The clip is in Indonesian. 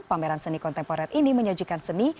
pameran seni kontemporer ini menyajikan seni